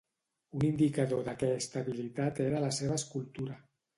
Un indicador d'aquesta habilitat era la seva escultura.